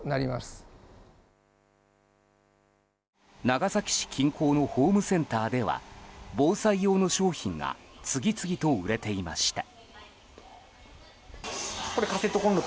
長崎市近郊のホームセンターでは防災用の商品が次々と売れていました。